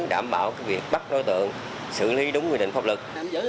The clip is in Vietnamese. đảm bảo việc bắt đối tượng xử lý đúng quy định pháp luật